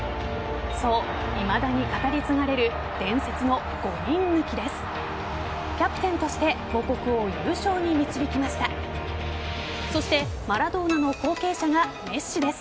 そう、いまだに語り継がれる伝説の５人抜きです。